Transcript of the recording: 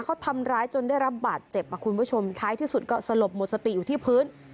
เขาทำร้ายจนได้รับบาดเจ็บอ่ะคุณผู้ชมท้ายที่สุดก็สลบหมดสติอยู่ที่พื้น